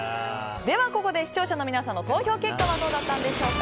ここで視聴者の皆さんの投票結果はどうだったんでしょうか。